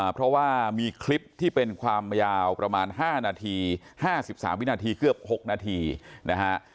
เพราะว่ามีคลิปที่เป็นความยาวประมาณ๕นาที๕๓วินาทีเกือบ๖นาทีนะฮะ